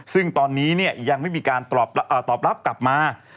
ซึ่งตอนนี้ยังไม่มีการตอบรับกลับมา